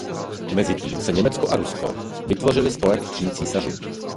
Mezitím se Německo a Rusko vytvořily spolek tří císařů.